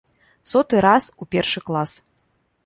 Соты раз у першы клас!